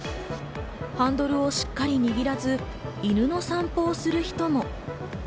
ハンドルをしっかり握らず、犬の散歩をする人も。